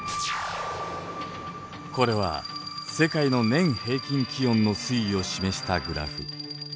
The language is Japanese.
これは世界の年平均気温の推移を示したグラフ。